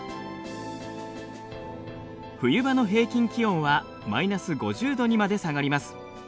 冬場の平均気温はマイナス５０度にまで下がります。